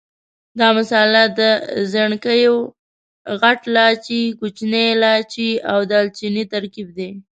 دا مساله د ځڼکیو، غټ لاچي، کوچني لاچي او دال چیني ترکیب دی.